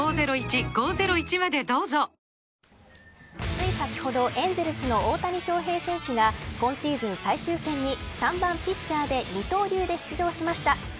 つい先ほどエンゼルスの大谷翔平選手が今シーズン最終戦に３番ピッチャーで二刀流で出場しました。